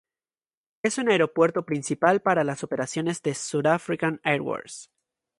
Es un aeropuerto principal para las operaciones de South African Airways.